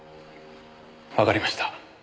わかりました。